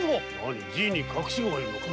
じぃに隠し子がいるのか？